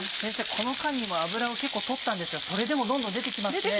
この間にも脂を結構取ったんですがそれでもどんどん出て来ますね。